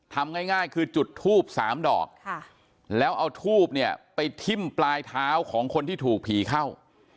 ทำง่ายคือจุดทูบ๓ดอกแล้วเอาทูบเนี่ยไปทิ้มปลายเท้าของคนที่ถูกผีเข้า